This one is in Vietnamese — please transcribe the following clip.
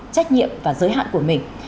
trách nhiệm và giới hạn của mình